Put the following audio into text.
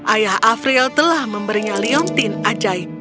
ayah afriel telah memberinya liontin ajaib